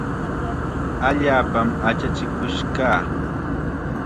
Allaapam achachikush kaa.